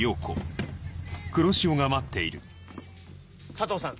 佐藤さん